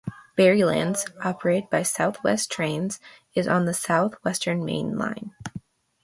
Berrylands, operated by South West Trains, is on the South Western Main Line.